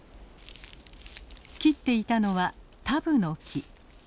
切っていたのはタブノキ。